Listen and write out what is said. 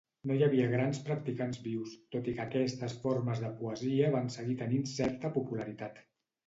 No hi havia grans practicants vius, tot i que aquestes formes de poesia van seguir tenint certa popularitat.